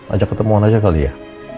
ajak ketemuan aja kali ya